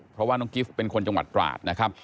เพราะว่าน้องกิฟต์เป็นคนจังหวัดตราดนะครับ